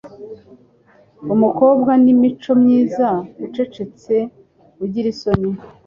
umukobwa n'imicomyiza, ucecetse, ugira isoni